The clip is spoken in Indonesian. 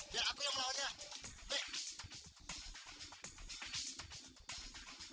biar aku yang melawannya